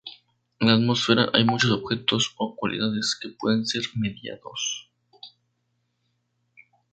En la atmósfera, hay muchos objetos o cualidades que pueden ser medidos.